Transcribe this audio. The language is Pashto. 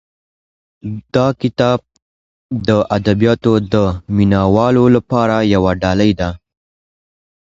دا کتاب د ادبیاتو د مینه والو لپاره یو ډالۍ ده.